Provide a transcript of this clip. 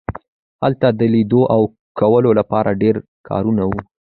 هلته د لیدلو او کولو لپاره ډیر کارونه وو